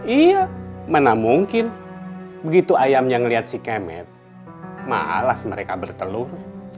iya mana mungkin begitu ayamnya melihat si kemet malas mereka bertelur